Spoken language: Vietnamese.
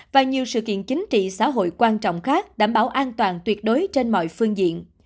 và nhiều sự kiện chính trị xã hội quan trọng khác đảm bảo an toàn tuyệt đối trên mọi phương diện